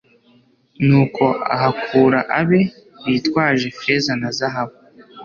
Nuko ahakura abe bitwaje feza na zahabu